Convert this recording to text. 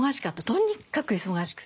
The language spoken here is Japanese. とにかく忙しくて。